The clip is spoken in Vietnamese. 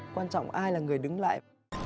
quan trọng ai là người đứng lại